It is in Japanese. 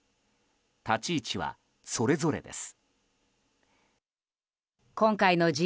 立ち位置はそれぞれです。